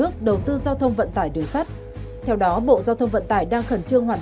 có trong hàng ngày